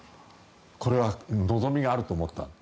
これは望みがあると思った。